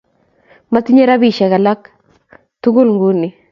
Matinye rapisyek alak tukul nguni